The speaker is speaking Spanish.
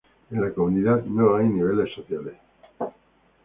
En la comunidad no hay niveles sociales.